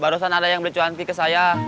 barusan ada yang beli cuanti ke saya